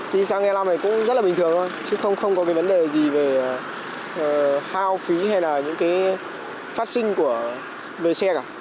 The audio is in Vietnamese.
đi xăng e năm này cũng rất là bình thường thôi chứ không có vấn đề gì về hao phí hay là những phát sinh về xe cả